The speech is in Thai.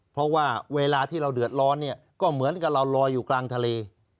เพราะว่าเวลาที่เราเดือดร้อนเนี่ยก็เหมือนกับเราลอยอยู่กลางทะเล